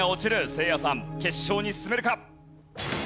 せいやさん決勝に進めるか？